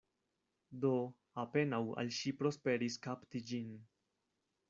Do apenaŭ al ŝi prosperis kapti ĝin.